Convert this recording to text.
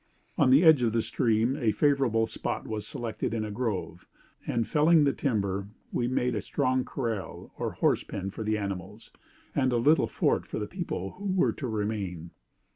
"'On the edge of the stream a favorable spot was selected in a grove; and felling the timber, we made a strong corral, or horse pen, for the animals, and a little fort for the people who were to remain.